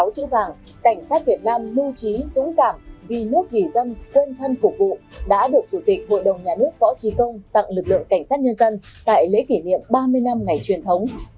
một mươi sáu chữ vàng cảnh sát việt nam nu trí dũng cảm vì nước vì dân quên thân phục vụ đã được chủ tịch bộ đồng nhà nước võ trí công tặng lực lượng cảnh sát nhân dân tại lễ kỷ niệm ba mươi năm ngày truyền thống